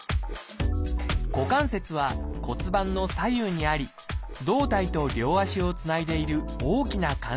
股関節は骨盤の左右にあり胴体と両足をつないでいる大きな関節です。